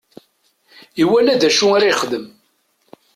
Iwala d acu ara yexdem.